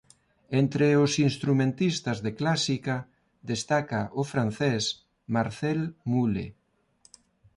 Entre os instrumentistas de clásica destaca o francés Marcel Mule.